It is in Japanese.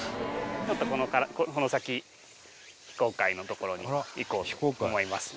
ちょっとこの先非公開の所に行こうと思いますので。